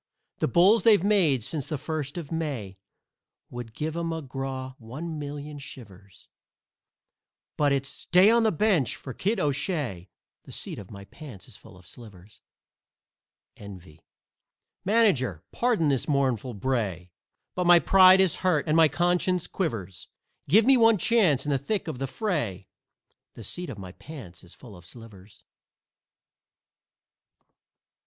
The bulls they've made since the first of May Would give a McGraw one million shivers, But it's "stay on the bench!" for Kid O'Shay, The seat of my pants is full of slivers. "ENVY" Manager, pardon this mournful bray, But my pride is hurt and my conscience quivers; Give me one chance in the thick of the fray The seat of my pants is full of slivers.